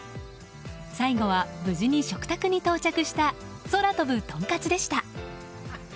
最後は、無事に食卓に到着した空飛ぶトンカツでした。